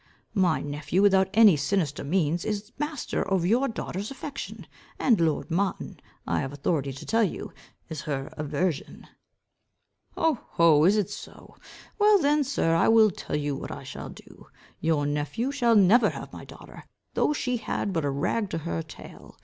My nephew, without any sinister means, is master of your daughter's affection; and lord Martin, I have authority to tell you, is her aversion." "Oh, ho! is it so. Well then, sir, I will tell you what I shall do. Your nephew shall never have my daughter, though she had but a rag to her tail.